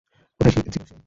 কোথায় ছিল সে?